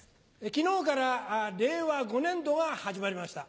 昨日から令和５年度が始まりました。